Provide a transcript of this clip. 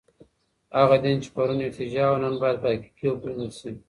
هغه دين چي پرون ارتجاع وه، نن بايد په حقيقت وپېژندل سي.